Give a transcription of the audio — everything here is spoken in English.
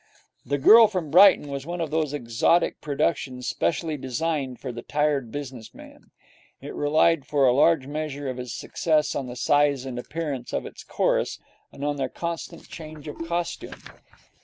'The Girl From Brighton' was one of those exotic productions specially designed for the Tired Business Man. It relied for a large measure of its success on the size and appearance of its chorus, and on their constant change of costume.